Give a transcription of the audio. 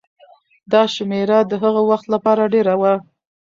دا شمېره د هغه وخت لپاره ډېره وه.